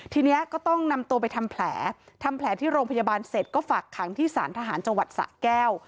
ทีนี้ก็ต้องนำตัวไปทำแผลทำแผลที่โรงพยาบาลเสร็จก็ฝากขังที่สารทหารจังหวัดสะแก้ว